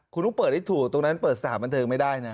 คุณต้องเปิดให้ถูกตรงนั้นเปิดสถานบันเทิงไม่ได้นะ